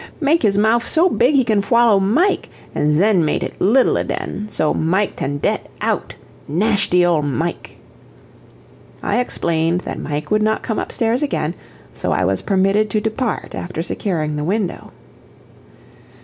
Make his mouf so big he can fwallow Mike, an' zen mate it 'ittle aden, so Mike tan' det OUT; nashty old Mike!" I explained that Mike would not come upstairs again, so I was permitted to depart after securing the window.